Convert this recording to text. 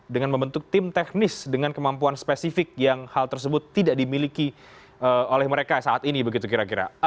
dengan membentuk tim teknis dengan kemampuan spesifik yang hal tersebut tidak dimiliki oleh mereka saat ini begitu kira kira